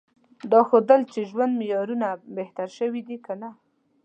دا ښودل چې ژوند معیارونه بهتر شوي دي که نه؟